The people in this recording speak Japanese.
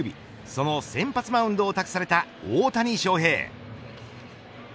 その先発マウンドを託された大谷翔平。